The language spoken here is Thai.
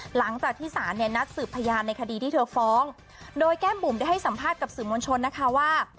หลังจากที่ศาลเนี่ยนัดสืบพยานในคดีที่เธอฟ้องโดยแก้มบุ๋มได้ให้สัมภาษณ์กับสื่อมวลชนนะคะว่า